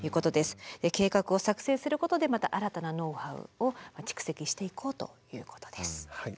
計画を作成することでまた新たなノウハウを蓄積していこうということです。